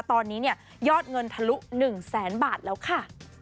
ตอนนี้เนี่ยยอดเงินทะลุ๑แสนบาทแล้วค่ะ